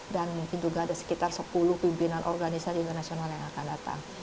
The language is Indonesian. dan mungkin juga ada sekitar sepuluh pimpinan organisasi internasional yang akan datang